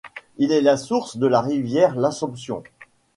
Il est la source de la rivière L'Assomption.